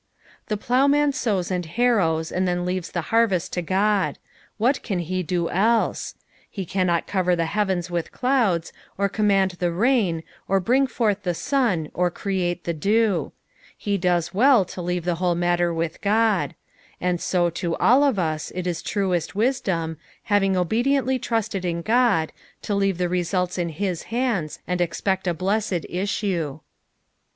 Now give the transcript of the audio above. The ploughman sows and harrows, and then leaves the harvest to God. What can he do else ? He cannot cover the heavens with clouds, or command the lain, or bring forth the suo or create the dew. He does well to leave the whole matter with God i and so to all of us it is truest wisdom, having obediently trusted in God, to leave results in his hands, and expect a blessed issue, 8.